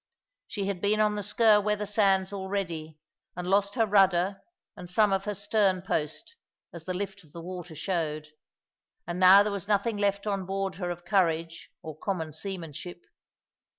She had been on the Sker weather sands already, and lost her rudder and some of her sternpost, as the lift of the water showed; and now there was nothing left on board her of courage or common seamanship.